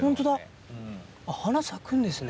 あっ花咲くんですね。